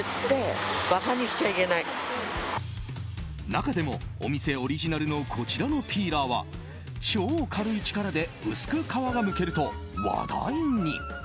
中でも、お店オリジナルのこちらのピーラーは超軽い力で薄く皮がむけると話題に。